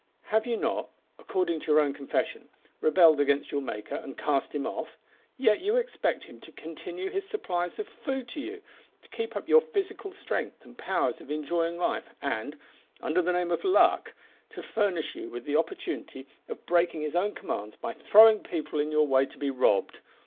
Have you not, according to your own confession, rebelled against your Maker and cast Him off; yet you expect Him to continue His supplies of food to you; to keep up your physical strength and powers of enjoying life, and, under the name of Luck, to furnish you with the opportunity of breaking His own commands by throwing people in your way to be robbed!